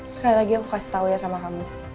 sekali lagi aku kasih tau ya sama kamu